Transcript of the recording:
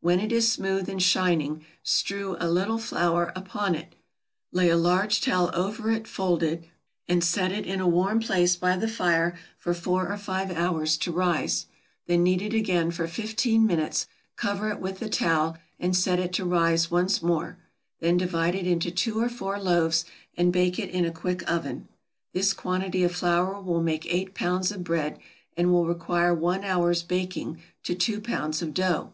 When it is smooth and shining strew a little flour upon it, lay a large towel over it folded, and set it in a warm place by the fire for four or five hours to rise; then knead it again for fifteen minutes, cover it with the towel, and set it to rise once more; then divide it into two or four loaves, and bake it in a quick oven. This quantity of flour will make eight pounds of bread, and will require one hour's baking to two pounds of dough.